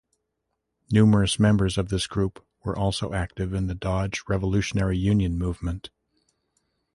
Numerous members of this group were also active in the Dodge Revolutionary Union Movement.